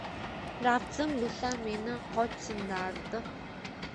Lafzim buzsam meni quchsin dard